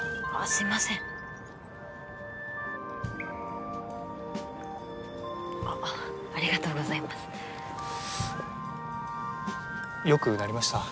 すみませんありがとうございますよくなりました？